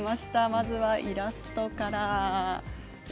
まずはイラストから。